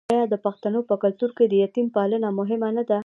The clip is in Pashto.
آیا د پښتنو په کلتور کې د یتیم پالنه مهمه نه ده؟